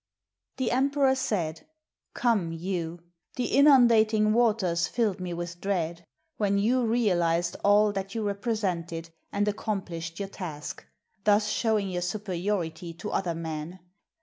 The emperor said, "Come, Yu. The inundating waters filled me with dread, when you realized all that you represented and accomplished your task, — thus showing your superiority to other men.